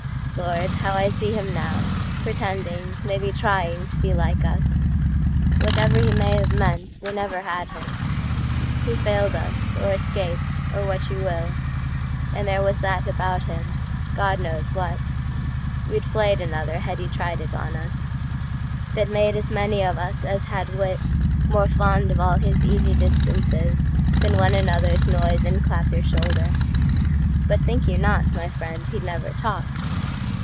Lord! how I see him now, Pretending, maybe trying, to be like us. Whatever he may have meant, we never had him; He failed us, or escaped, or what you will,—And there was that about him (God knows what,—We'd flayed another had he tried it on us)That made as many of us as had witsMore fond of all his easy distancesThan one another's noise and clap your shoulder. But think you not, my friend, he'd never talk!